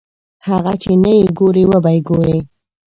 هغه چې نه یې ګورې وبه یې ګورې.